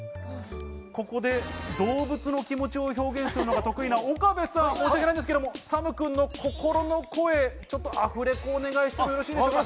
ここで、動物の気持ちを表現するのが得意な岡部さん、申し訳ないんですが、サムくんの心の声、ちょっとアフレコをお願いしてよろしいでしょうか？